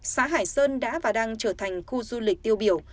xã hải sơn đã và đang trở thành khu du lịch tiêu biểu